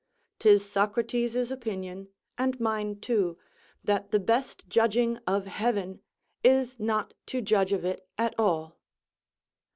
'Tis Socrates's opinion, and mine too, that the best judging of heaven is not to judge of it at all.